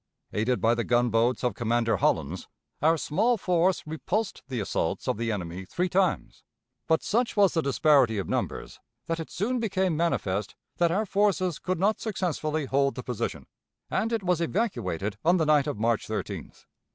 Aided by the gunboats of Commander Hollins, our small force repulsed the assaults of the enemy three times, but such was the disparity of numbers that it soon became manifest that our forces could not successfully hold the position, and it was evacuated on the night of March 13th.